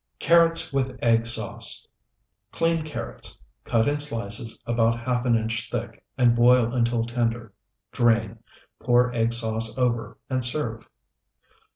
CARROTS WITH EGG SAUCE Clean carrots, cut in slices about half an inch thick, and boil until tender; drain, pour egg sauce over, and serve.